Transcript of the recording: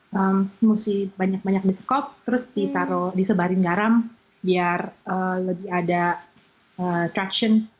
harus banyak banyak disekop terus disebarin garam biar lebih ada traction